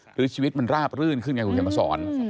หรือชีวิตมันราบรื่นขึ้นไงคุณเขียนมาสอน